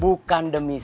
bukan demi saya